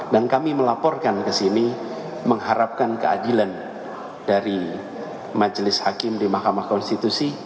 dan kami melaporkan ke sini mengharapkan keadilan dari majelis hakim di mahkamah konstitusi